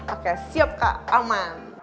oke siap kak aman